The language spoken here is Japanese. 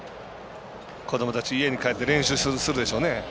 子どもたち家に帰って練習するでしょうね。